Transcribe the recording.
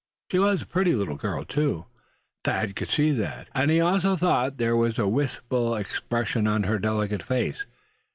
She was a pretty little girl too, Thad could see that; and he also thought there was a wistful expression on her delicate face.